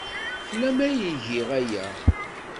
Fell-am ay giɣ aya.